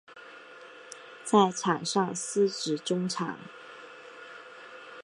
在场上司职中场。